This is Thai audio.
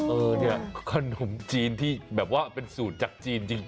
เออคุณหนุ่มจีนที่เป็นสูตรจากจีนจริง